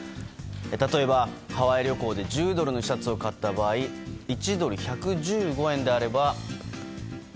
例えば、ハワイ旅行で１０ドルのシャツを買った場合１ドル＝１１５円であれば１１５０円。